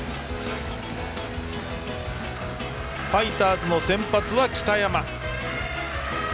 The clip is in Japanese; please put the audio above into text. ファイターズの先発は北山。